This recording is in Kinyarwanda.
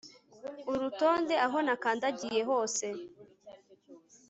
uronde aho nakandagiye hose